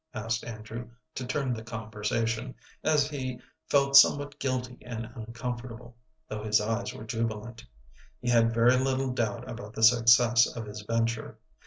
asked Andrew, to turn the conversation, as he felt somewhat guilty and uncomfortable, though his eyes were jubilant. He had very little doubt about the success of his venture.